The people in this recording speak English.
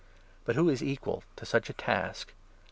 But who is equal to such a task